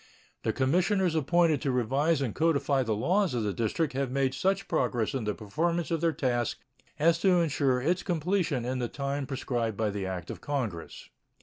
The commissioners appointed to revise and codify the laws of the District have made such progress in the performance of their task as to insure its completion in the time prescribed by the act of Congress.